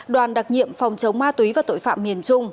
đoàn đặc nhiệm phòng chống ma túy và tội phạm miền trung